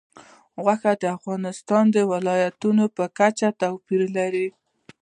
غوښې د افغانستان د ولایاتو په کچه توپیر لري.